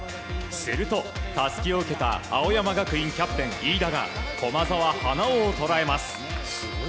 するとタスキを受けた青山学院キャプテン飯田が駒澤、花尾をとらえます。